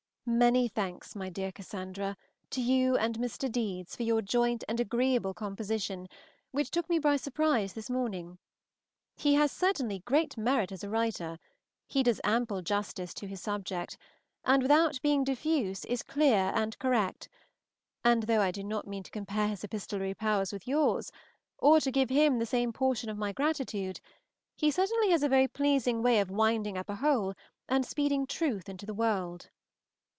MANY thanks, my dear Cassandra, to you and Mr. Deedes for your joint and agreeable composition, which took me by surprise this morning. He has certainly great merit as a writer; he does ample justice to his subject, and without being diffuse is clear and correct; and though I do not mean to compare his epistolary powers with yours, or to give him the same portion of my gratitude, he certainly has a very pleasing way of winding up a whole, and speeding truth into the world.